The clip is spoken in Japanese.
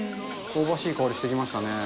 香ばしい香りしてきましたね。